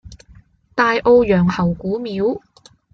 大澳楊侯古廟